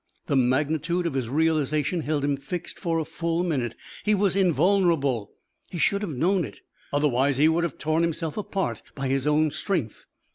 The magnitude of his realization held him fixed for a full minute. He was invulnerable! He should have known it otherwise he would have torn himself apart by his own strength.